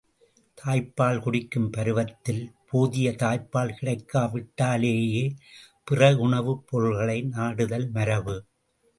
தாய்ப்பால் குடிக்கும் பருவத்தில் போதிய தாய்ப்பால் கிடைக்கா விட்டாலேயே பிற உணவுப் பொருள்களை நாடுதல் மரபு.